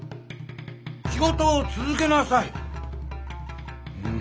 仕事を続けなさい。